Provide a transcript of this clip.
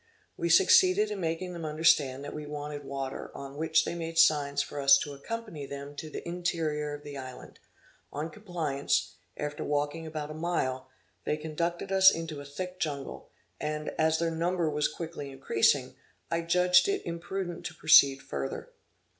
We succeeded in making them understand that we wanted water, on which they made signs for us to accompany them to the interior of the island; on compliance, after walking about a mile, they conducted us into a thick jungle, and, as their number was quickly increasing, I judged it imprudent to proceed further.